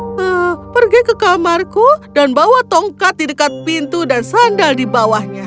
hah pergi ke kamarku dan bawa tongkat di dekat pintu dan sandal di bawahnya